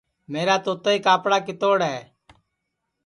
میرا توتائی کاپڑا کِتوڑ ہے